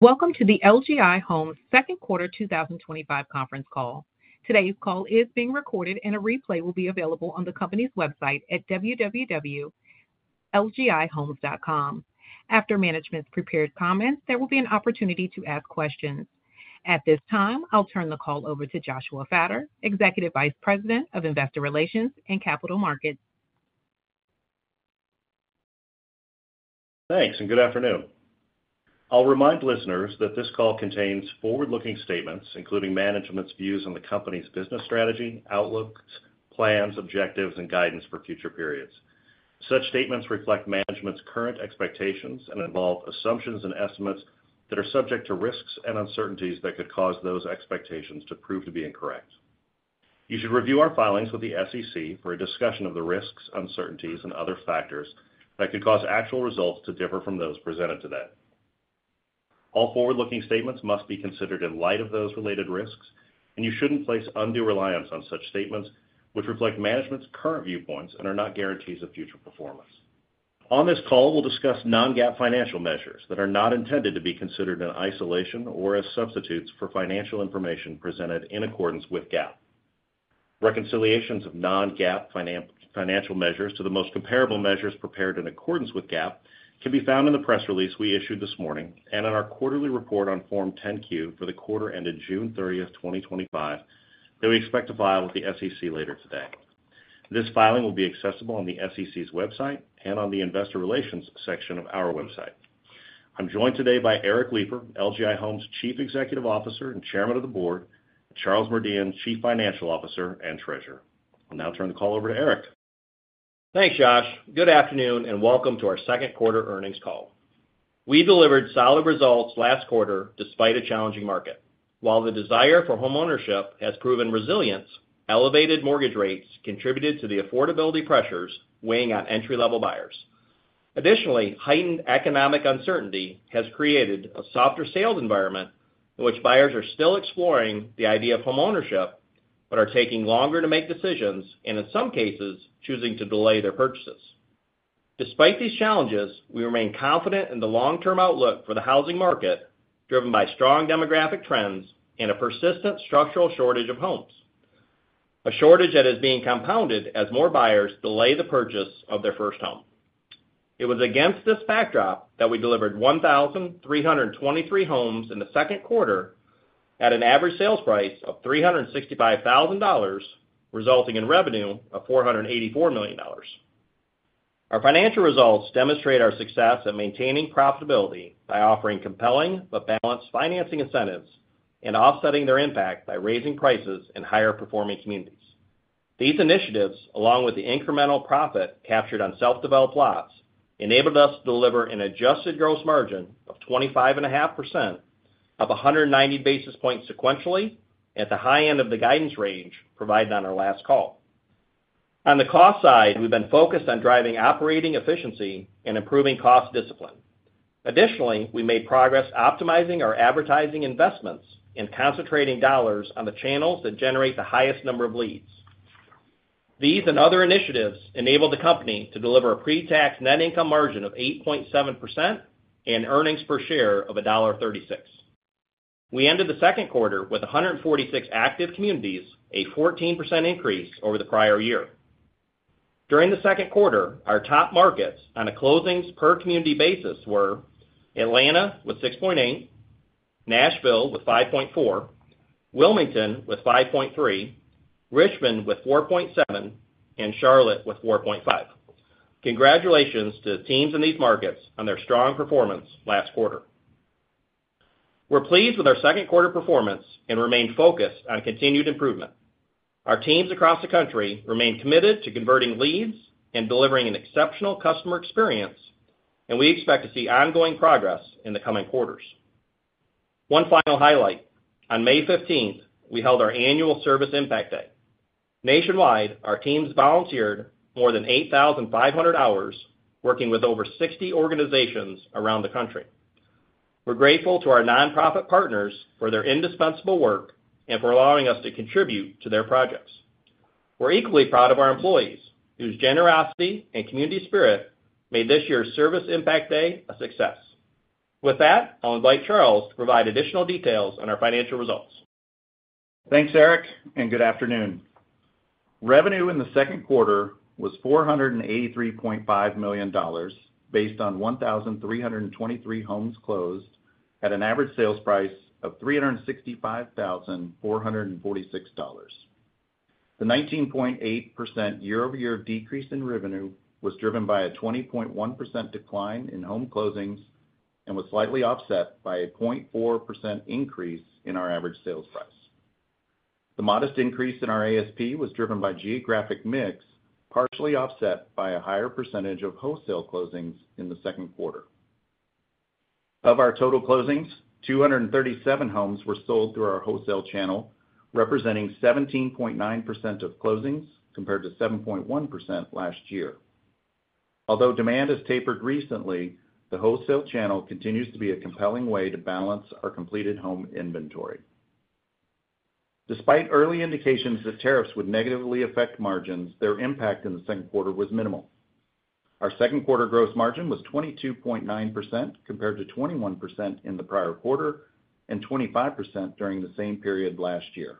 Welcome to the LGI Homes Second Quarter 2025 Conference Call. Today's call is being recorded, and a replay will be available on the company's website at www.lgihomes.com. After management's prepared comments, there will be an opportunity to ask questions. At this time, I'll turn the call over to Joshua Fattor, Executive Vice President of Investor Relations and Capital Markets. Thanks, and good afternoon. I'll remind listeners that this call contains forward-looking statements, including management's views on the company's business strategy, outlooks, plans, objectives, and guidance for future periods. Such statements reflect management's current expectations and involve assumptions and estimates that are subject to risks and uncertainties that could cause those expectations to prove to be incorrect. You should review our filings with the SEC for a discussion of the risks, uncertainties, and other factors that could cause actual results to differ from those presented today. All forward-looking statements must be considered in light of those related risks, and you shouldn't place undue reliance on such statements, which reflect management's current viewpoints and are not guarantees of future performance. On this call, we'll discuss non-GAAP financial measures that are not intended to be considered in isolation or as substitutes for financial information presented in accordance with GAAP. Reconciliations of non-GAAP financial measures to the most comparable measures prepared in accordance with GAAP can be found in the press release we issued this morning and in our quarterly report on Form 10-Q for the quarter ended June 30, 2025, that we expect to file with the SEC later today. This filing will be accessible on the SEC's website and on the Investor Relations section of our website. I'm joined today by Eric Lipar, LGI Homes Chief Executive Officer and Chairman of the Board, and Charles Merdian, Chief Financial Officer and Treasurer. I'll now turn the call over to Eric. Thanks, Josh. Good afternoon and welcome to our second quarter earnings call. We delivered solid results last quarter despite a challenging market. While the desire for homeownership has proven resilient, elevated mortgage rates contributed to the affordability pressures weighing on entry-level buyers. Additionally, heightened economic uncertainty has created a softer sales environment in which buyers are still exploring the idea of homeownership but are taking longer to make decisions and, in some cases, choosing to delay their purchases. Despite these challenges, we remain confident in the long-term outlook for the housing market, driven by strong demographic trends and a persistent structural shortage of homes, a shortage that is being compounded as more buyers delay the purchase of their first home. It was against this backdrop that we delivered 1,323 homes in the second quarter at an average sales price of $365,000, resulting in revenue of $484 million. Our financial results demonstrate our success in maintaining profitability by offering compelling but balanced financing incentives and offsetting their impact by raising prices in higher-performing communities. These initiatives, along with the incremental profit captured on self-developed lots, enabled us to deliver an adjusted gross margin of 25.5%, up 190 basis points sequentially at the high end of the guidance range provided on our last call. On the cost side, we've been focused on driving operating efficiency and improving cost discipline. Additionally, we made progress optimizing our advertising investments and concentrating dollars on the channels that generate the highest number of leads. These and other initiatives enabled the company to deliver a pre-tax net income margin of 8.7% and earnings per share of $1.36. We ended the second quarter with 146 active communities, a 14% increase over the prior year. During the second quarter, our top markets on a closings-per-community basis were Atlanta with 6.8, Nashville with 5.4, Wilmington with 5.3, Richmond with 4.7, and Charlotte with 4.5. Congratulations to the teams in these markets on their strong performance last quarter. We're pleased with our second quarter performance and remain focused on continued improvement. Our teams across the country remain committed to converting leads and delivering an exceptional customer experience, and we expect to see ongoing progress in the coming quarters. One final highlight: on May 15th, we held our annual Service Impact Day. Nationwide, our teams volunteered more than 8,500 hours, working with over 60 organizations around the country. We're grateful to our nonprofit partners for their indispensable work and for allowing us to contribute to their projects. We're equally proud of our employees, whose generosity and community spirit made this year's Service Impact Day a success. With that, I'll invite Charles to provide additional details on our financial results. Thanks, Eric, and good afternoon. Revenue in the second quarter was $483.5 million based on 1,323 homes closed at an average sales price of $365,446. The 19.8% year-over-year decrease in revenue was driven by a 20.1% decline in home closings and was slightly offset by a 0.4% increase in our average sales price. The modest increase in our ASP was driven by geographic mix, partially offset by a higher percentage of wholesale closings in the second quarter. Of our total closings, 237 homes were sold through our wholesale channel, representing 17.9% of closings compared to 7.1% last year. Although demand has tapered recently, the wholesale channel continues to be a compelling way to balance our completed home inventory. Despite early indications that tariffs would negatively affect margins, their impact in the second quarter was minimal. Our second quarter gross margin was 22.9% compared to 21% in the prior quarter and 25% during the same period last year.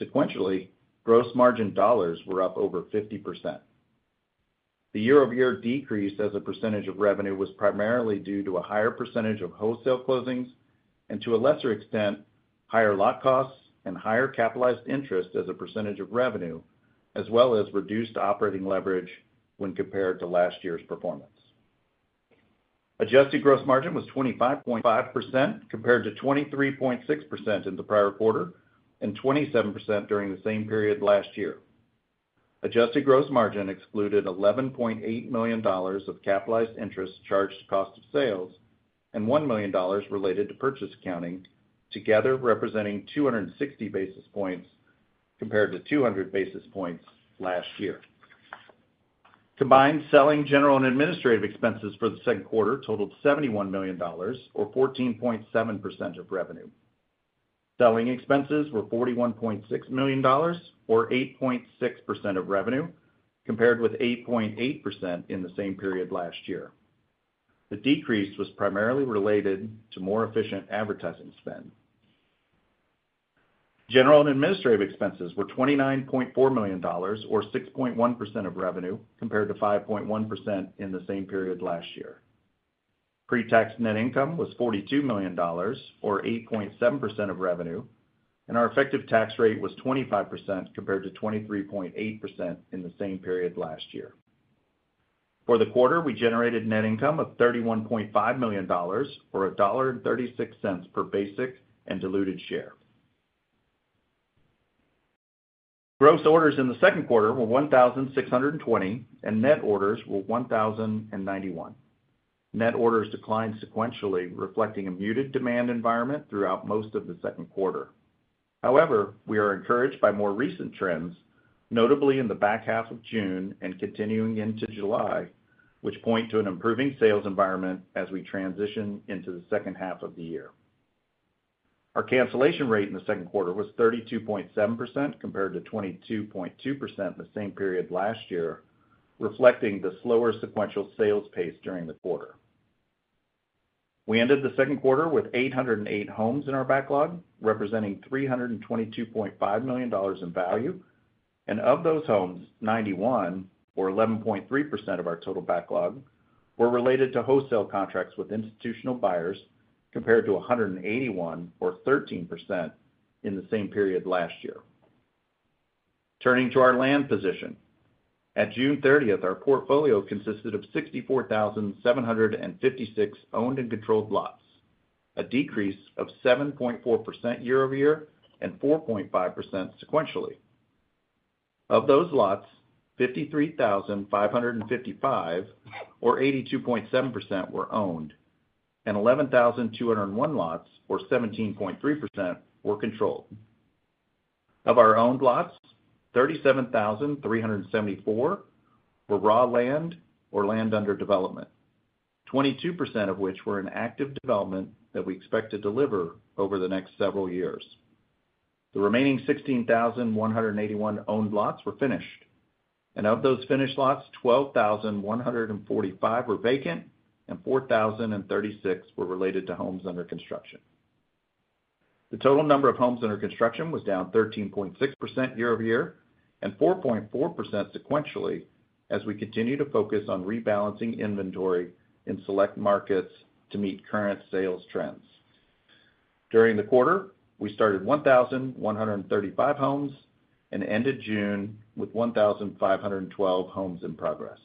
Sequentially, gross margin dollars were up over 50%. The year-over-year decrease as a percentage of revenue was primarily due to a higher percentage of wholesale closings and, to a lesser extent, higher lot costs and higher capitalized interest as a percentage of revenue, as well as reduced operating leverage when compared to last year's performance. Adjusted gross margin was 25.5% compared to 23.6% in the prior quarter and 27% during the same period last year. Adjusted gross margin excluded $11.8 million of capitalized interest charged to cost of sales and $1 million related to purchase accounting, together representing 260 basis points compared to 200 basis points last year. Combined selling, general and administrative expenses for the second quarter totaled $71 million, or 14.7% of revenue. Selling expenses were $41.6 million, or 8.6% of revenue, compared with 8.8% in the same period last year. The decrease was primarily related to more efficient advertising spend. General and administrative expenses were $29.4 million, or 6.1% of revenue, compared to 5.1% in the same period last year. Pre-tax net income was $42 million, or 8.7% of revenue, and our effective tax rate was 25% compared to 23.8% in the same period last year. For the quarter, we generated net income of $31.5 million, or $1.36 per basic and diluted share. Gross orders in the second quarter were 1,620, and net orders were 1,091. Net orders declined sequentially, reflecting a muted demand environment throughout most of the second quarter. However, we are encouraged by more recent trends, notably in the back half of June and continuing into July, which point to an improving sales environment as we transition into the second half of the year. Our cancellation rate in the second quarter was 32.7% compared to 22.2% in the same period last year, reflecting the slower sequential sales pace during the quarter. We ended the second quarter with 808 homes in our backlog, representing $322.5 million in value, and of those homes, 91, or 11.3% of our total backlog, were related to wholesale contracts with institutional buyers, compared to 181, or 13% in the same period last year. Turning to our land position, at June 30, our portfolio consisted of 64,756 owned and controlled lots, a decrease of 7.4% year-over-year and 4.5% sequentially. Of those lots, 53,555, or 82.7%, were owned, and 11,201 lots, or 17.3%, were controlled. Of our owned lots, 37,374 were raw land or land under development, 22% of which were in active development that we expect to deliver over the next several years. The remaining 16,181 owned lots were finished, and of those finished lots, 12,145 were vacant and 4,036 were related to homes under construction. The total number of homes under construction was down 13.6% year-over-year and 4.4% sequentially, as we continue to focus on rebalancing inventory in select markets to meet current sales trends. During the quarter, we started 1,135 homes and ended June with 1,512 homes in progress.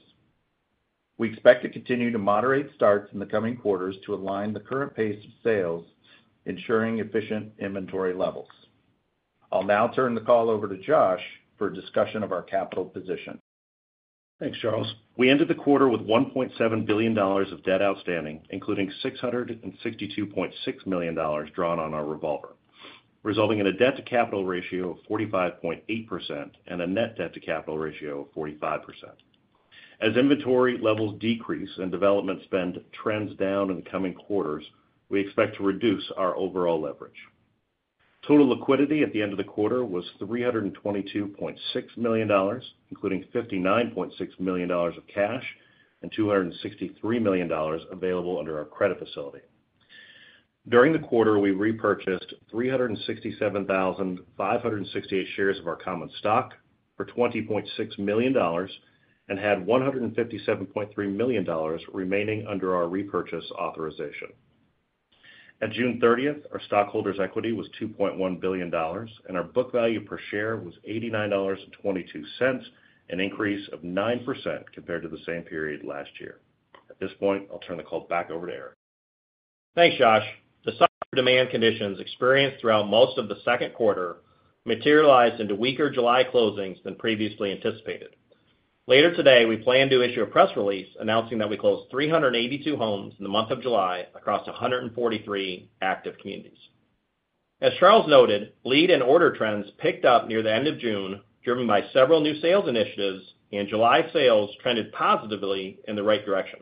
We expect to continue to moderate starts in the coming quarters to align the current pace of sales, ensuring efficient inventory levels. I'll now turn the call over to Josh for a discussion of our capital position. Thanks, Charles. We ended the quarter with $1.7 billion of debt outstanding, including $662.6 million drawn on our revolver, resulting in a debt-to-capital ratio of 45.8% and a net debt-to-capital ratio of 45%. As inventory levels decrease and development spend trends down in the coming quarters, we expect to reduce our overall leverage. Total liquidity at the end of the quarter was $322.6 million, including $59.6 million of cash and $263 million available under our credit facility. During the quarter, we repurchased 367,568 shares of our common stock for $20.6 million and had $157.3 million remaining under our repurchase authorization. At June 30, our stockholders' equity was $2.1 billion, and our book value per share was $89.22, an increase of 9% compared to the same period last year. At this point, I'll turn the call back over to Eric. Thanks, Josh. The softer demand conditions experienced throughout most of the second quarter materialized into weaker July closings than previously anticipated. Later today, we plan to issue a press release announcing that we closed 382 homes in the month of July across 143 active communities. As Charles noted, lead and order trends picked up near the end of June, driven by several new sales initiatives, and July sales trended positively in the right direction.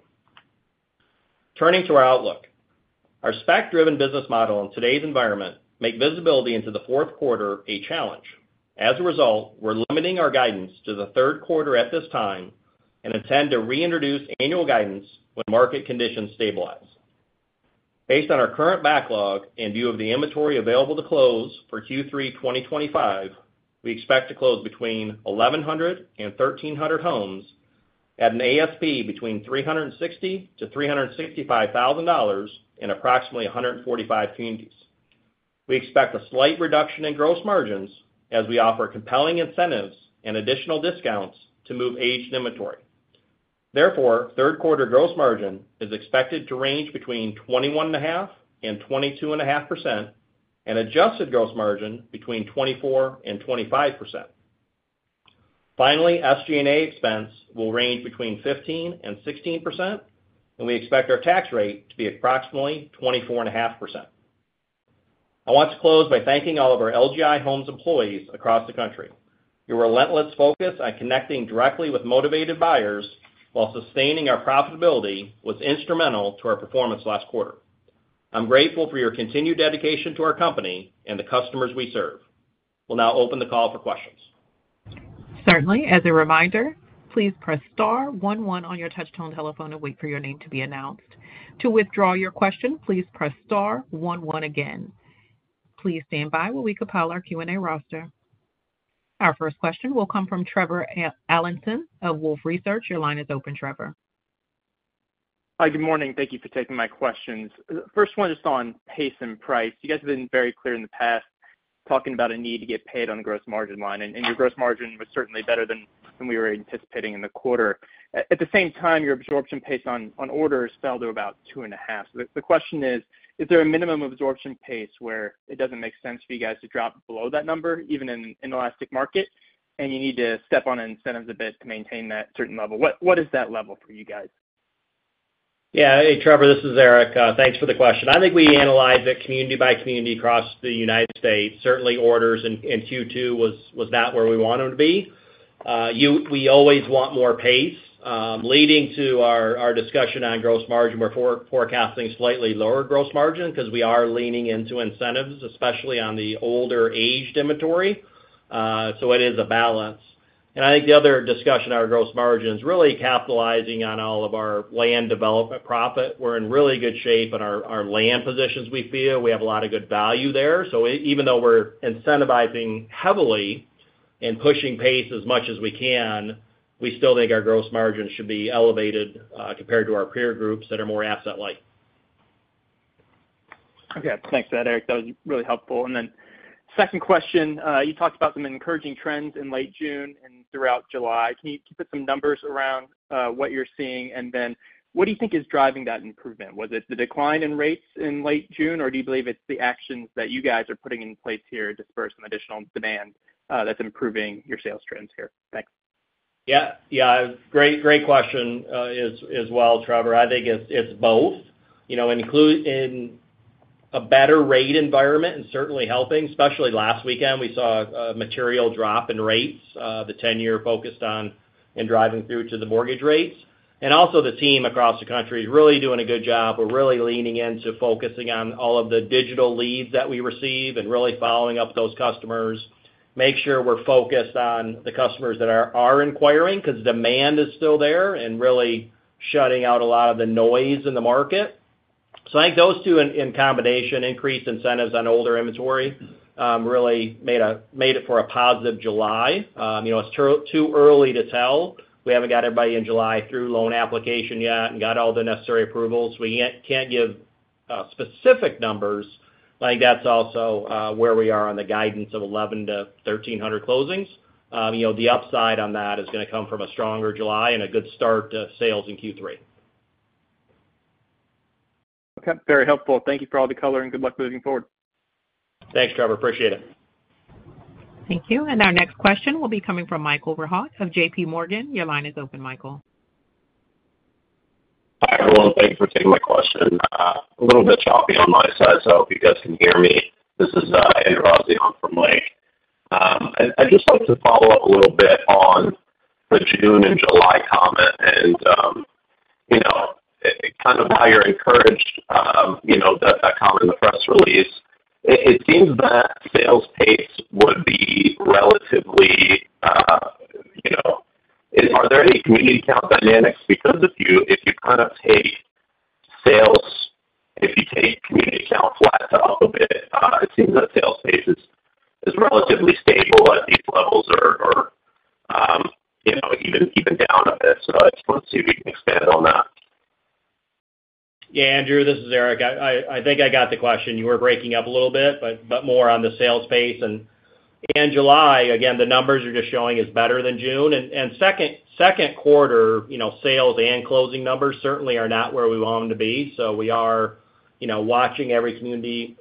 Turning to our outlook, our spec-driven business model in today's environment makes visibility into the fourth quarter a challenge. As a result, we're limiting our guidance to the third quarter at this time and intend to reintroduce annual guidance when market conditions stabilize. Based on our current backlog and view of the inventory available to close for Q3 2025, we expect to close between 1,100 and 1,300 homes at an ASP between $360,000-$365,000 in approximately 145 communities. We expect a slight reduction in gross margins as we offer compelling incentives and additional discounts to move aged inventory. Therefore, third-quarter gross margin is expected to range between 21.5% and 22.5%, and adjusted gross margin between 24% and 25%. Finally, SG&A expense will range between 15% and 16%, and we expect our tax rate to be approximately 24.5%. I want to close by thanking all of our LGI Homes employees across the country. Your relentless focus on connecting directly with motivated buyers while sustaining our profitability was instrumental to our performance last quarter. I'm grateful for your continued dedication to our company and the customers we serve. We'll now open the call for questions. Certainly. As a reminder, please press star 11 on your touch-tone telephone and wait for your name to be announced. To withdraw your question, please press star 11 again. Please standby while we compile our Q&A roster. Our first question will come from Trevor Allinson of Wolfe Research. Your line is open, Trevor. Hi. Good morning. Thank you for taking my questions. First one is on pace and price. You guys have been very clear in the past talking about a need to get paid on the gross margin line, and your gross margin was certainly better than we were anticipating in the quarter. At the same time, your absorption pace on orders fell to about 2.5. The question is, is there a minimum absorption pace where it doesn't make sense for you guys to drop below that number, even in an elastic market, and you need to step on incentives a bit to maintain that certain level? What is that level for you guys? Yeah. Hey, Trevor. This is Eric. Thanks for the question. I think we analyzed it community by community across the United States. Certainly, orders in Q2 were about where we wanted them to be. We always want more pace, leading to our discussion on gross margin. We're forecasting slightly lower gross margin because we are leaning into incentives, especially on the older aged inventory. It is a balance. I think the other discussion on our gross margin is really capitalizing on all of our land development profit. We're in really good shape in our land positions, we feel. We have a lot of good value there. Even though we're incentivizing heavily and pushing pace as much as we can, we still think our gross margins should be elevated compared to our peer groups that are more asset-light. Okay. Thanks for that, Eric. That was really helpful. Second question, you talked about some encouraging trends in late June and throughout July. Can you put some numbers around what you're seeing? What do you think is driving that improvement? Was it the decline in rates in late June, or do you believe it's the actions that you guys are putting in place here to spur some additional demand that's improving your sales trends here? Thanks. Yeah. Great question as well, Trevor. I think it's both. You know, a better rate environment is certainly helping. Especially last weekend, we saw a material drop in rates, the 10-year focused on and driving through to the mortgage rates. Also, the team across the country is really doing a good job. We're really leaning into focusing on all of the digital leads that we receive and really following up with those customers. Make sure we're focused on the customers that are inquiring because demand is still there and really shutting out a lot of the noise in the market. I think those two in combination, increased incentives on older inventory, really made it for a positive July. You know, it's too early to tell. We haven't got everybody in July through loan application yet and got all the necessary approvals. We can't give specific numbers. Like that's also where we are on the guidance of 1,100-1,300 closings. The upside on that is going to come from a stronger July and a good start to sales in Q3. Okay. Very helpful. Thank you for all the color and good luck moving forward. Thanks, Trevor. Appreciate it. Thank you. Our next question will be coming from Mike Overhaug of JPMorgan. Your line is open, Michael. Hi, everyone. Thank you for taking my question. A little bit choppy on my side, so if you guys can hear me, this is Andrew Osborn from Link. I'd just like to follow up a little bit on the June and July comment and, you know, kind of how you're encouraged, you know, that comment in the press release. It seems that sales pace would be relatively, you know, are there any community counts dynamics? Because if you kind of take sales, if you take community counts flat to up a bit, it seems that sales pace is relatively stable at these levels or, you know, even down a bit. Let's see if you can expand on that. Yeah, Andrew. This is Eric. I think I got the question. You were breaking up a little bit, more on the sales pace. July, again, the numbers are just showing it's better than June. Second quarter sales and closing numbers certainly are not where we want them to be. We are watching every community,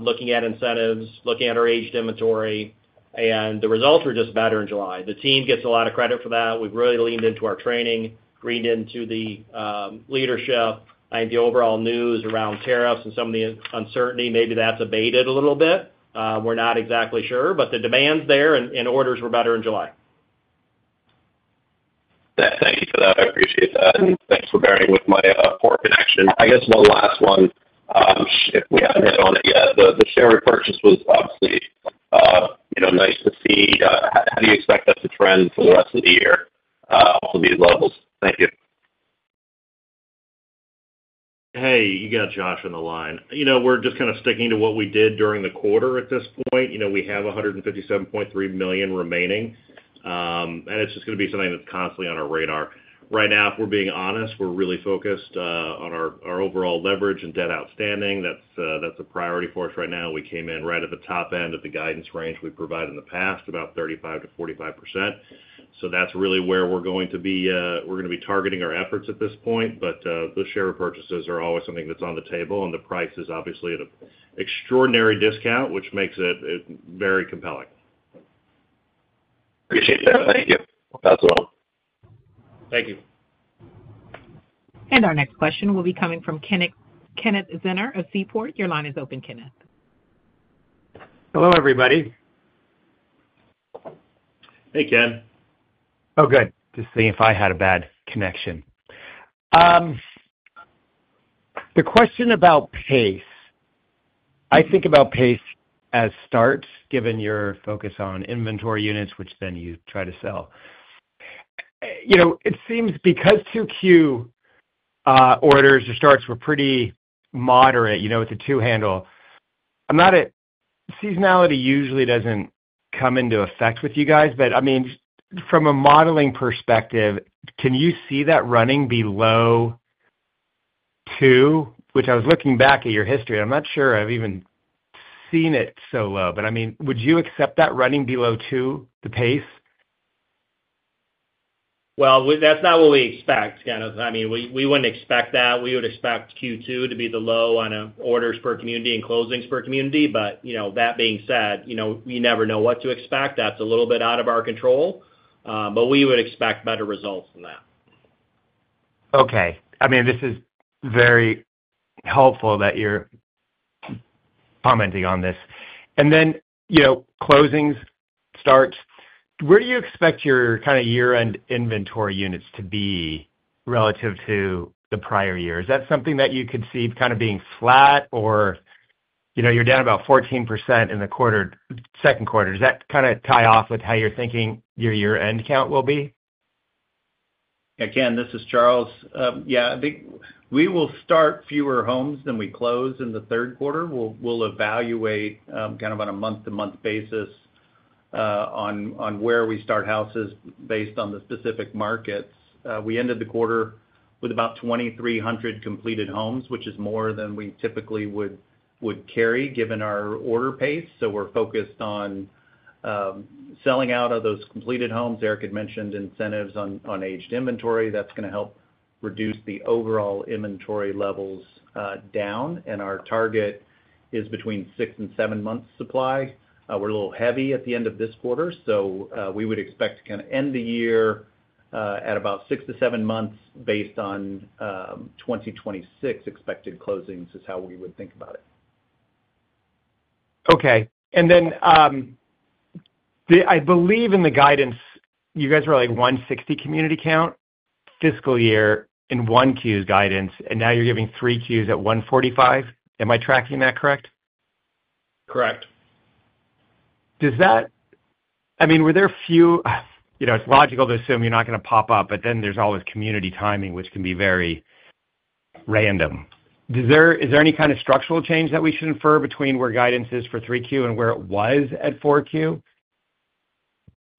looking at incentives, looking at our aged inventory, and the results are just better in July. The team gets a lot of credit for that. We've really leaned into our training, leaned into the leadership. I think the overall news around tariffs and some of the uncertainty, maybe that's abated a little bit. We're not exactly sure, but the demand's there and orders were better in July. Thank you for that. I appreciate that. Thanks for bearing with my poor connection. I guess my last one, I missed all of you guys. The share repurchase was obviously, you know, nice to see. How do you expect this to trend for the rest of the year for these levels? Thank you. Hey, you got Josh on the line. We're just kind of sticking to what we did during the quarter at this point. We have $157.3 million remaining, and it's just going to be something that's constantly on our radar. Right now, if we're being honest, we're really focused on our overall leverage and debt outstanding. That's a priority for us right now. We came in right at the top end of the guidance range we provided in the past, about 35%-45%. That's really where we're going to be. We're going to be targeting our efforts at this point. The share repurchases are always something that's on the table, and the price is obviously at an extraordinary discount, which makes it very compelling. Appreciate that. Thank you. That's all. Thank you. Our next question will be coming from Kenneth Zener of Seaport. Your line is open, Kenneth. Hello, everybody. Hey, Ken. Oh, good. Just seeing if I had a bad connection. The question about pace, I think about pace as starts, given your focus on inventory units, which then you try to sell. It seems because Q2 orders or starts were pretty moderate, you know, with the two-handle, I'm not at seasonality usually doesn't come into effect with you guys, but I mean, from a modeling perspective, can you see that running below 2? Which I was looking back at your history, and I'm not sure I've even seen it so low, but I mean, would you accept that running below 2, the pace? That is not what we expect, Kenneth. I mean, we would not expect that. We would expect Q2 to be the low on orders per community and closings per community. You never know what to expect. That is a little bit out of our control, but we would expect better results than that. Okay. This is very helpful that you're commenting on this. Then, you know, closings, starts, where do you expect your kind of year-end inventory units to be relative to the prior year? Is that something that you could see kind of being flat, or you're down about 14% in the second quarter? Does that kind of tie off with how you're thinking your year-end count will be? Yeah. Ken, this is Charles. Yeah, I think we will start fewer homes than we close in the third quarter. We'll evaluate on a month-to-month basis where we start houses based on the specific markets. We ended the quarter with about 2,300 completed homes, which is more than we typically would carry given our order pace. We're focused on selling out of those completed homes. Eric had mentioned incentives on aged inventory. That is going to help reduce the overall inventory levels. Our target is between six and seven months supply. We're a little heavy at the end of this quarter. We would expect to end the year at about six to seven months based on 2026 expected closings, which is how we would think about it. Okay. I believe in the guidance, you guys were like 160 community count fiscal year in Q1's guidance, and now you're giving Q3s at 145. Am I tracking that correct? Correct. Does that, I mean, were there a few, you know, it's logical to assume you're not going to pop up, but then there's always community timing, which can be very random. Is there any kind of structural change that we should infer between where guidance is for Q3 and where it was at Q4?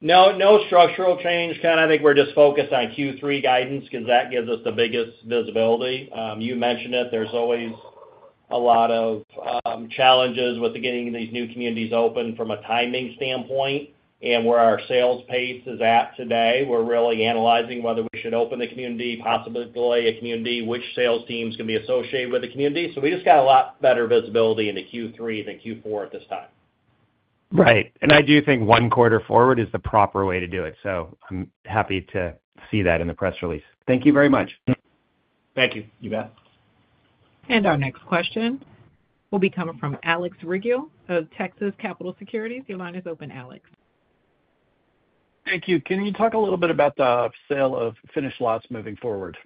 No structural change, Ken. I think we're just focused on Q3 guidance because that gives us the biggest visibility. You mentioned it. There's always a lot of challenges with getting these new communities open from a timing standpoint. Where our sales pace is at today, we're really analyzing whether we should open the community, possibly delay a community, which sales teams can be associated with the community. We just got a lot better visibility into Q3 than Q4 at this time. Right. I do think one quarter forward is the proper way to do it. I'm happy to see that in the press release. Thank you very much. Thank you. You bet. Our next question will be coming from Alex Rygiel of Texas Capital Securities. Your line is open, Alex. Thank you. Can you talk a little bit about the sale of finished lots moving forward?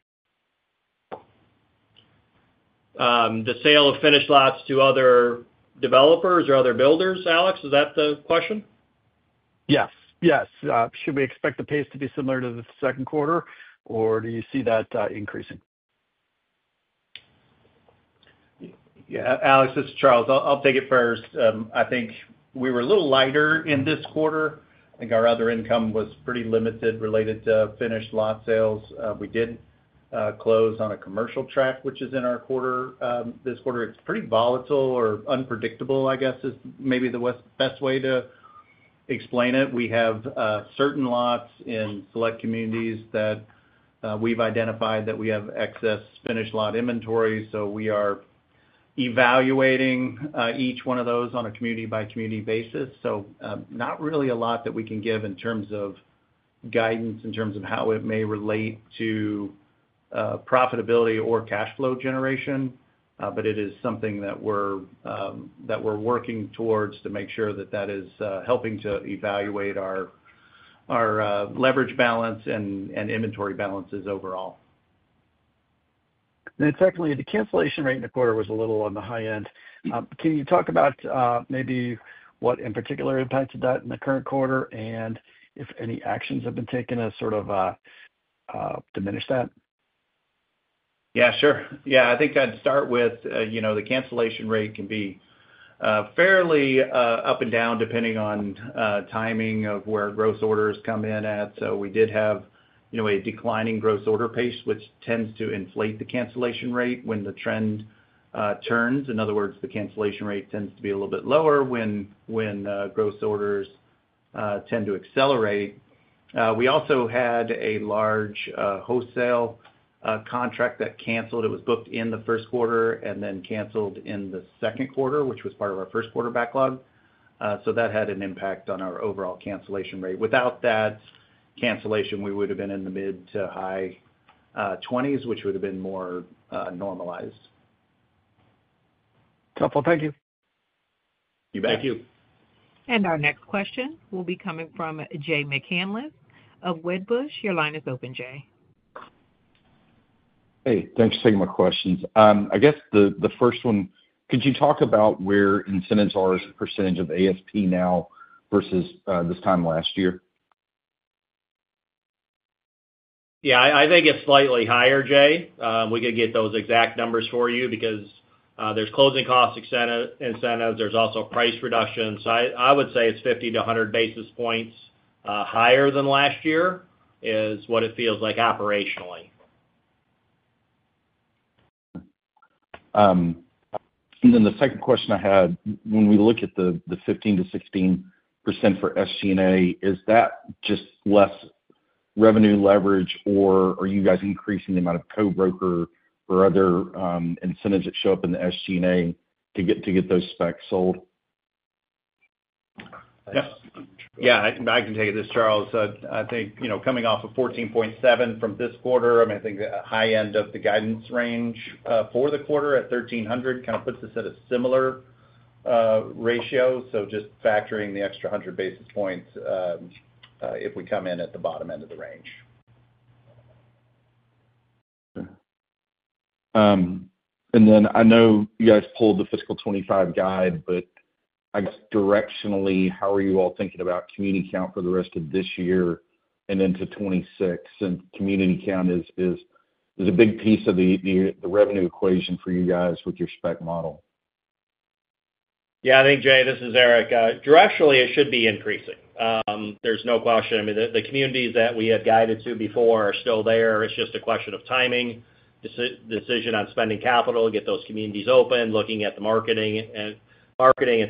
The sale of finished lots to other developers or other builders, Alex, is that the question? Yes. Should we expect the pace to be similar to the second quarter, or do you see that increasing? Yeah, Alex, this is Charles. I'll take it first. I think we were a little lighter in this quarter. I think our other income was pretty limited related to finished lot sales. We did close on a commercial tract, which is in our quarter this quarter. It's pretty volatile or unpredictable, I guess, is maybe the best way to explain it. We have certain lots in select communities that we've identified that we have excess finished lot inventory. We are evaluating each one of those on a community-by-community basis. Not really a lot that we can give in terms of guidance, in terms of how it may relate to profitability or cash flow generation, but it is something that we're working towards to make sure that that is helping to evaluate our leverage balance and inventory balances overall. The cancellation rate in the quarter was a little on the high end. Can you talk about maybe what in particular impacts that in the current quarter and if any actions have been taken to sort of diminish that? Yeah, sure. I think I'd start with, you know, the cancellation rate can be fairly up and down depending on timing of where gross orders come in at. We did have, you know, a declining gross order pace, which tends to inflate the cancellation rate when the trend turns. In other words, the cancellation rate tends to be a little bit lower when gross orders tend to accelerate. We also had a large wholesale contract cancellation. It was booked in the first quarter and then canceled in the second quarter, which was part of our first quarter backlog. That had an impact on our overall cancellation rate. Without that cancellation, we would have been in the mid to high 20%, which would have been more normalized. Helpful. Thank you. Thank you. Thank you. Our next question will be coming from Jay McCanless of Wedbush. Your line is open, Jay. Hey, thanks for taking my questions. I guess the first one, could you talk about where incentives are as a percentage of ASP now versus this time last year? Yeah, I think it's slightly higher, Jay. We could get those exact numbers for you because there's closing cost incentives. There's also price reductions. I would say it's 50-100 basis points higher than last year is what it feels like operationally. The second question I had, when we look at the 15%-16% for SG&A, is that just less revenue leverage, or are you guys increasing the amount of co-broker or other incentives that show up in the SG&A to get those specs sold? I can tell you this, Charles. I think, coming off of 14.7% from this quarter, the high end of the guidance range for the quarter at 1,300 kind of puts us at a similar ratio. Just factoring the extra 100 basis points if we come in at the bottom end of the range. I know you guys pulled the fiscal 2025 guide, but I guess directionally, how are you all thinking about community count for the rest of this year and into 2026? Community count is a big piece of the revenue equation for you guys with your spec model. Yeah, I think, Jay, this is Eric. Directionally, it should be increasing. There's no question. I mean, the communities that we had guided to before are still there. It's just a question of timing, decision on spending capital to get those communities open, looking at the marketing and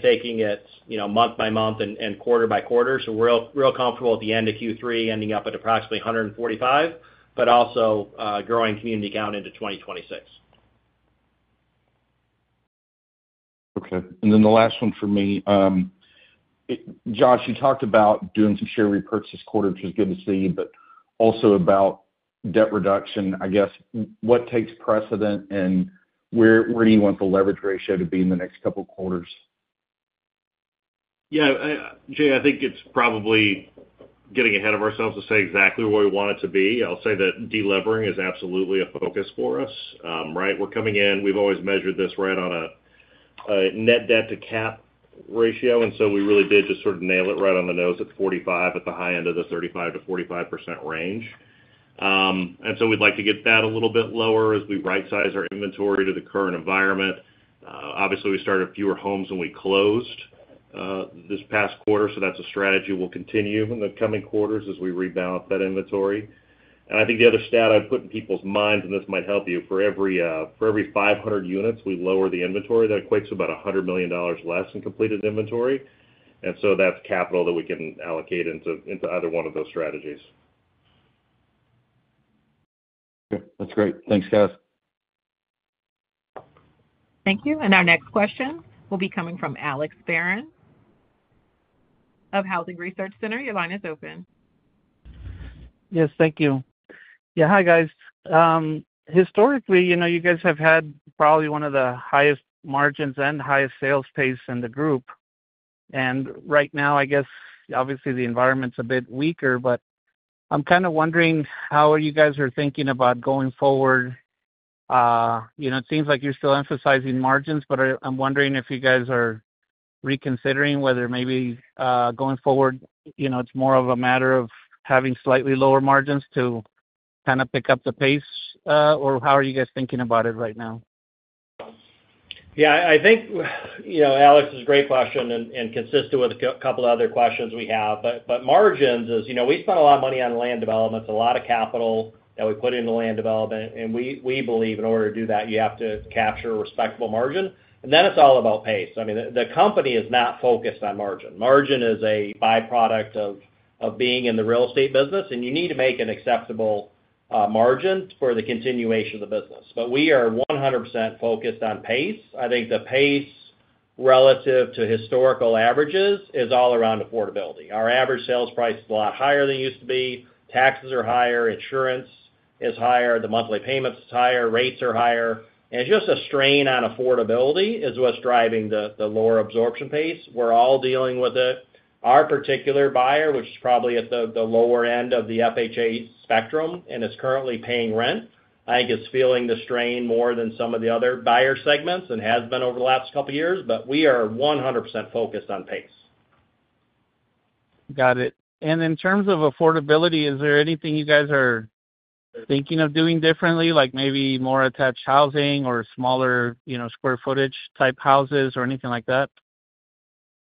taking it month by month and quarter by quarter. We're real comfortable at the end of Q3 ending up at approximately 145, but also growing community count into 2026. Okay. The last one for me. Josh, you talked about doing some share repurchase quarters, which is good to see, but also about debt reduction. I guess what takes precedent and where do you want the leverage ratio to be in the next couple of quarters? Yeah, Jay, I think it's probably getting ahead of ourselves to say exactly where we want it to be. I'll say that deleveraging is absolutely a focus for us, right? We're coming in. We've always measured this right on a net debt-to-cap ratio. We really did just sort of nail it right on the nose at 45 at the high end of the 35 to 45% range. We'd like to get that a little bit lower as we right-size our inventory to the current environment. Obviously, we started fewer homes than we closed this past quarter. That's a strategy we'll continue in the coming quarters as we rebalance that inventory. I think the other stat I'd put in people's minds, and this might help you, for every 500 units, we lower the inventory. That equates to about $100 million less in completed inventory. That's capital that we can allocate into either one of those strategies. Okay. That's great. Thanks, guys. Thank you. Our next question will be coming from Alex Barron of Housing Research Center. Your line is open. Yes, thank you. Hi, guys. Historically, you know, you guys have had probably one of the highest margins and highest sales pace in the group. Right now, I guess, obviously, the environment's a bit weaker, but I'm kind of wondering how you guys are thinking about going forward. It seems like you're still emphasizing margins, but I'm wondering if you guys are reconsidering whether maybe going forward, you know, it's more of a matter of having slightly lower margins to kind of pick up the pace, or how are you guys thinking about it right now? Yeah, I think, you know, Alex, it's a great question and consistent with a couple of other questions we have. Margins is, you know, we spend a lot of money on land development, a lot of capital that we put into land development. We believe in order to do that, you have to capture a respectable margin. Then it's all about pace. I mean, the company is not focused on margin. Margin is a byproduct of being in the real estate business, and you need to make an acceptable margin for the continuation of the business. We are 100% focused on pace. I think the pace relative to historical averages is all around affordability. Our average sales price is a lot higher than it used to be. Taxes are higher. Insurance is higher. The monthly payments are higher. Rates are higher. It's just a strain on affordability is what's driving the lower absorption pace. We're all dealing with it. Our particular buyer, which is probably at the lower end of the FHA spectrum and is currently paying rent, I think is feeling the strain more than some of the other buyer segments and has been over the last couple of years. We are 100% focused on pace. Got it. In terms of affordability, is there anything you guys are thinking of doing differently, like maybe more attached housing or smaller, you know, square footage type houses or anything like that?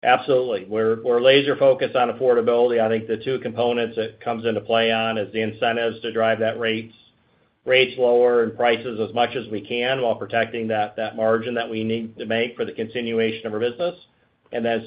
Absolutely. We're laser-focused on affordability. I think the two components that come into play are the incentives to drive that rates lower and prices as much as we can while protecting that margin that we need to make for the continuation of our business.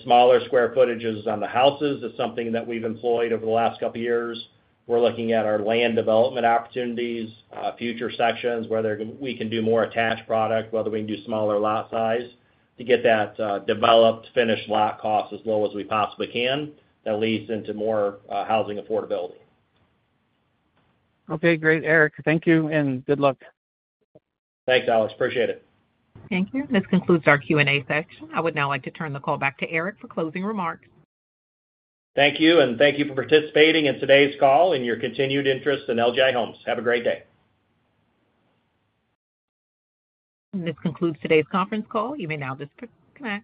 Smaller square footages on the houses is something that we've employed over the last couple of years. We're looking at our land development opportunities, future sections, whether we can do more attached product, whether we can do smaller lot size to get that developed finished lot cost as low as we possibly can, at least into more housing affordability. Okay. Great, Eric. Thank you and good luck. Thanks, Alex. Appreciate it. Thank you. This concludes our Q&A section. I would now like to turn the call back to Eric for closing remarks. Thank you, and thank you for participating in today's call and your continued interest in LGI Homes. Have a great day. This concludes today's conference call. You may now disconnect.